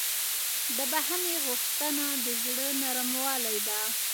د بښنې غوښتنه د زړه نرموالی ده.